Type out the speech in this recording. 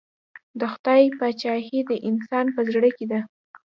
د خدای پاچهي د انسان په زړه کې ده.